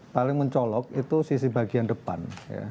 paling mencolok itu sisi bagian depan